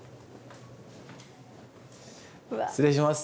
失礼します。